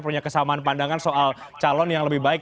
punya kesamaan pandangan soal calon yang lebih baik